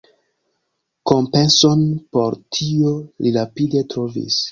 Kompenson por tio li rapide trovis.